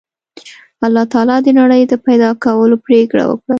الله تعالی د نړۍ د پیدا کولو پرېکړه وکړه